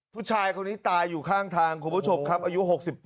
ผู้ชายคนนี้ตายอยู่ข้างทางคุณผู้ชมครับอายุ๖๘